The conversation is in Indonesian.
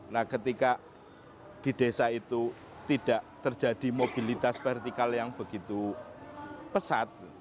nah ketika di desa itu tidak terjadi mobilitas vertikal yang begitu pesat